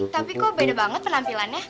tapi kok beda banget penampilannya